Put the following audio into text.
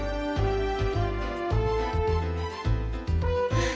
はあ。